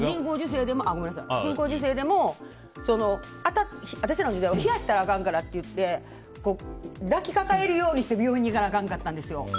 人工授精でも私らの時代は冷やしたらあかんからって言って抱きかかえるようにして病院に行かなあかんかったんですよ。